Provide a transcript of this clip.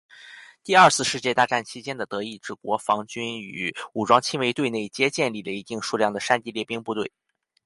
第二次世界大战期间的德意志国防军与武装亲卫队内皆建立了一定数量的山地猎兵部队。